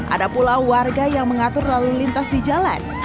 ada pula warga yang mengatur lalu lintas di jalan